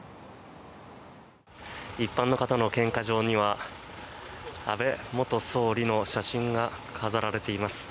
一般の方の献花場には安倍元総理の写真が飾られています。